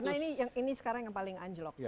karena ini sekarang yang paling anjlok